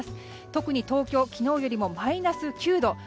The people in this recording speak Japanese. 特に東京昨日よりもマイナス９度。